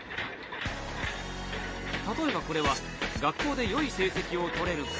例えばこれは「学校でよい成績をとれるか」